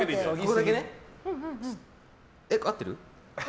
合ってる？